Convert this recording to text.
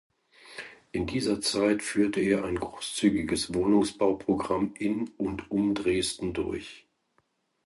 In dieser Zeit führte er ein großzügiges Wohnungsbauprogramm in und um Dresden durch.